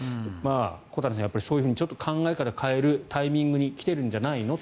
小谷さん、そういうふうに考えから変えるタイミングに来ているんじゃないのと。